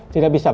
tidak bisa pak